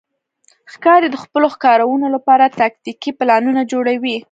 ښکاري د خپلو ښکارونو لپاره تاکتیکي پلانونه جوړوي.